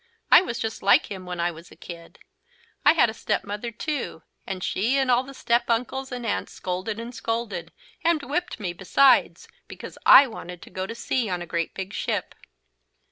I was just like him when I was a kid. I had a step mother, too, and she and all the step uncles and aunts scolded and scolded, and whipped me besides, because I wanted to go to sea on a great big ship."